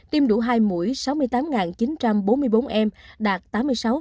tiêm đủ hai mũi sáu mươi tám chín trăm bốn mươi bốn em đạt tám mươi sáu